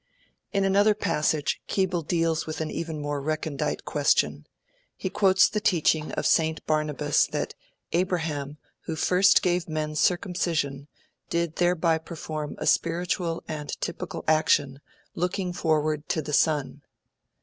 "' In another passage, Keble deals with an even more recondite question. He quotes the teaching of St. Barnabas that 'Abraham, who first gave men circumcision, did thereby perform a spiritual and typical action, looking forward to the Son'.